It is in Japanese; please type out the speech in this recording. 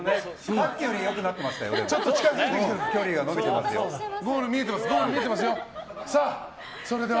さっきより良くなってましたよでも。